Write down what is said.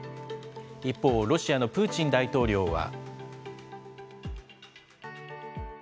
一方、ロシアのプーチン大統領は。